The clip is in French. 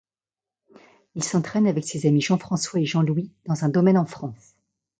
Il s'entraîne avec ses amis Jean-François et Jean-Louis dans un domaine en France.